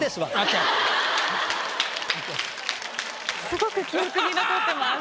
すごく記憶に残ってます。